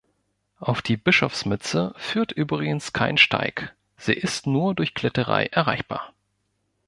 Auf die Bischofsmütze führt übrigens kein Steig, sie ist nur durch Kletterei erreichbar.